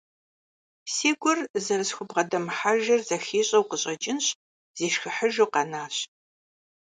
Си гур зэрысхубгъэдэмыхьэжыр зэхищӏэу къыщӏэкӏынщ, зишхыхьыжу къэнащ.